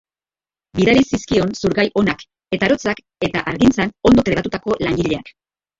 Bidali zizkion zurgai onak eta arotzak eta hargintzan ondo trebatutako langileak.